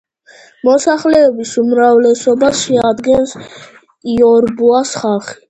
მოსახლეობის უმრავლესობას შეადგენს იორუბას ხალხი.